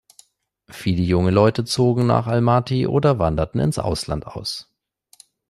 Viele junge Leute zogen nach Almaty oder wanderten ins Ausland aus.